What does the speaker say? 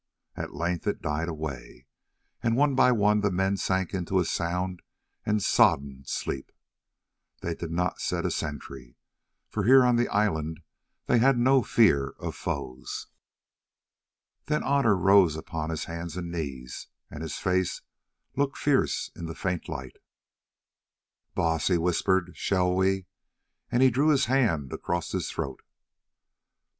At length it died away, and one by one the men sank into a sound and sodden sleep. They did not set a sentry, for here on the island they had no fear of foes. Then Otter rose upon his hands and knees, and his face looked fierce in the faint light. "Baas," he whispered, "shall we——" and he drew his hand across his throat.